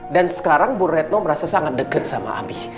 dan sekarang bu retno merasa sangat deket sama abi